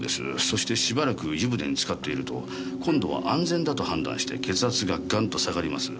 そしてしばらく湯船に浸かっていると今度は安全だと判断して血圧がガンと下がります。